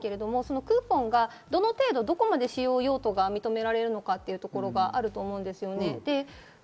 クーポンがどの程度、使用用途が認められるかというところもあると思うんです。